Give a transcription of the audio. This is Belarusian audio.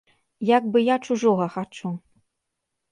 Як бы я чужога хачу!